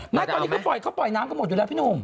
ไม่ตอนนี้เขาปล่อยน้ำก็หมดอยู่แล้วพี่หนุ่ม